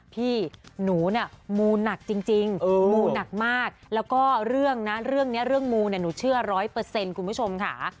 พี่หนูเนี่ยมูหนักจริงมูหนักมากแล้วก็เรื่องนะเรื่องนี้เรื่องมูเนี่ยหนูเชื่อร้อยเปอร์เซ็นต์คุณผู้ชมค่ะ